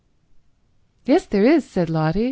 "Yes, there is," said Lotty.